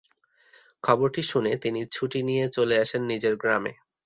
খবর শুনে তিনি ছুটি নিয়ে চলে আসেন নিজের গ্রামে।